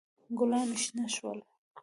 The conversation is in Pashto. ګلان شنه شول.